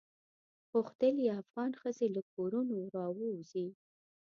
غوښتل یې افغان ښځې له کورونو راووزي.